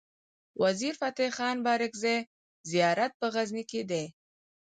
وزیر فتح خان بارګزی زيارت په غزنی کی دی